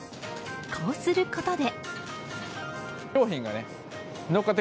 こうすることで。